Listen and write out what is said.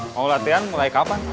mau latihan mulai kapan